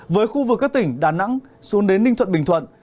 với khu vực các tỉnh đà nẵng xuống đến ninh thuận bình thuận